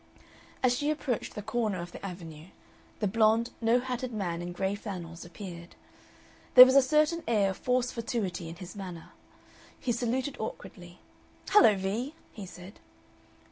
As she approached the corner of the Avenue the blond, no hatted man in gray flannels appeared. There was a certain air of forced fortuity in his manner. He saluted awkwardly. "Hello, Vee!" he said.